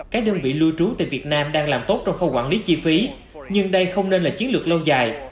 các đơn vị lưu trú tại việt nam đang làm tốt trong khâu quản lý chi phí nhưng đây không nên là chiến lược lâu dài